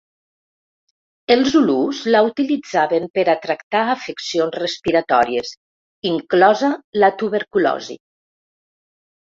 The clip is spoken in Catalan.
Els Zulús la utilitzaven per a tractar afeccions respiratòries, inclosa la Tuberculosi.